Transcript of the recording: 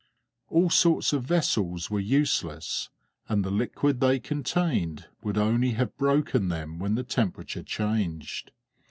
All sorts of vessels were useless, and the liquid they contained would only have broken them when the temperature changed.